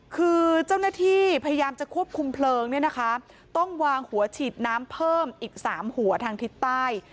คือเจ้าหน้าที่พยายามจะควบคุมเพลิงเนี่ยนะคะต้องวางหัวฉีดน้ำเพิ่มอีก๓หัวทางทิศใต้